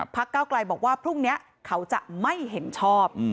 เก้าไกลบอกว่าพรุ่งนี้เขาจะไม่เห็นชอบ